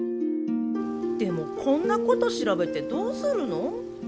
でもこんなこと調べてどうするの？